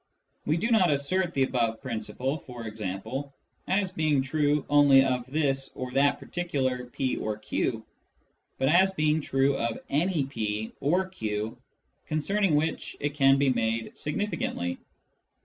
We do not assert the above principle, for example, as being true only of this or that particular p or q, but as being true of any p or q concerning which it can be made significantly.